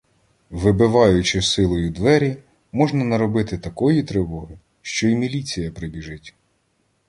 Вибиваючи силою двері, можна наробити такої тривоги, що й міліція прибіжить.